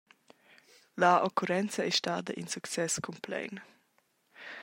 La occurrenza ei stada in success cumplein.